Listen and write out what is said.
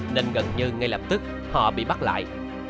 nên gần như ngay lập tức họ bị bắt lại